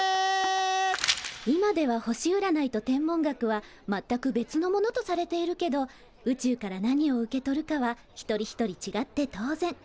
今では星うらないと天文学はまったく別のものとされているけど宇宙から何を受け取るかは一人一人ちがって当然。